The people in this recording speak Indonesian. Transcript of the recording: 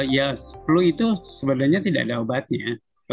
ya sepuluh itu sebenarnya tidak ada obatnya